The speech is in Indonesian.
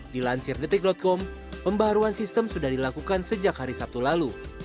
di lansirdetik com pembaruan sistem sudah dilakukan sejak hari sabtu lalu